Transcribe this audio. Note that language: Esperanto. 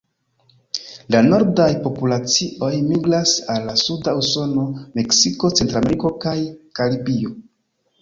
La nordaj populacioj migras al suda Usono, Meksiko, Centrameriko kaj Karibio.